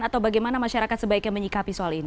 atau bagaimana masyarakat sebaiknya menyikapi soal ini